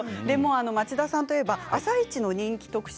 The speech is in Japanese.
町田さんといえば「あさイチ」の人気特集